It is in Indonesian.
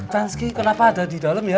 transki kenapa ada di dalam ya